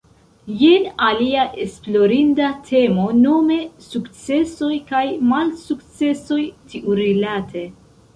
Jen alia esplorinda temo, nome sukcesoj kaj malsukcesoj tiurilate.